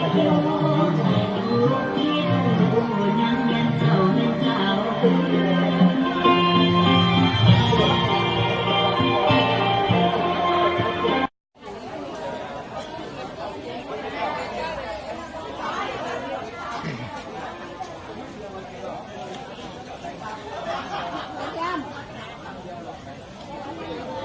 สวัสดีครับ